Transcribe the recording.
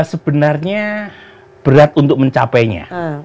sebenarnya berat untuk mencapainya